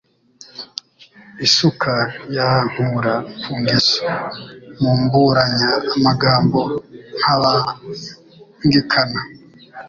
Isuka ntiyankura ku ngeso mumburanya Amaganya ntabangikana